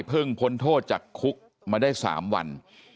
ซึ่งพ้นโทษจากคุกมาได้สามวัน